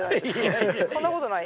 そんなことない？